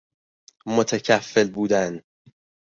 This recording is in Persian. متکفل بودن